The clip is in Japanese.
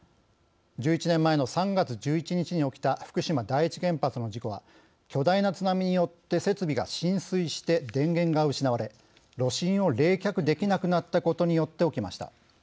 １１年前の３月１１日に起きた福島第一原発の事故は巨大な津波によって設備が浸水して電源が失われ炉心を冷却できなくなったことによって起きました。